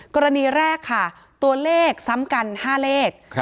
กรณีแรกค่ะตัวเลขซ้ำกัน๕เลข